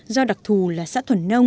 do đặc thù là xã thuẩn nông